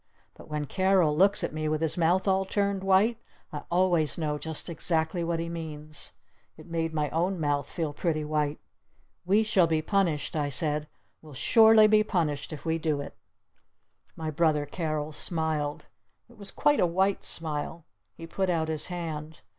But when Carol looks at me with his mouth all turned white, I always know just exactly what he means! It made my own mouth feel pretty white! "We shall be punished!" I said. "We'll surely be punished if we do it!" My brother Carol smiled. It was quite a white smile. He put out his hand.